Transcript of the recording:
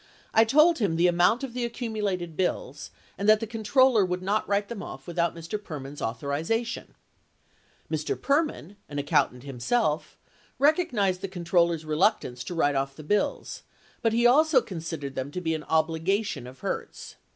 I told him the amount of the accumulated bills and that the controller would not write them off without Mr. Perman's authorization. 75 25 Hearings 12325 32. 76 Id. at 12254. 475 Mr. Perman, an accountant himself, recognized the con troller's reluctance to write off the bills, but he also con sidered them to be an obligation of Hertz.